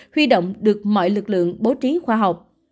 huy động được mọi lực lượng bố trí khoa học